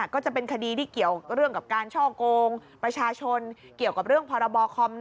ก็จะเป็นคดีที่เกี่ยวเรื่องกับการช่อโกงประชาชน